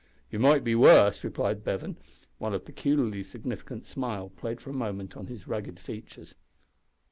"You might be worse," replied Bevan, while a peculiarly significant smile played for a moment on his rugged features.